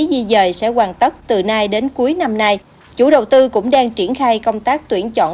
di dời sẽ hoàn tất từ nay đến cuối năm nay chủ đầu tư cũng đang triển khai công tác tuyển chọn